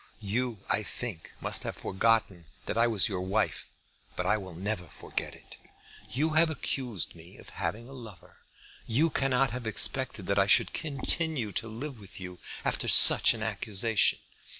You I think must have forgotten that I was your wife; but I will never forget it. You have accused me of having a lover. You cannot have expected that I should continue to live with you after such an accusation.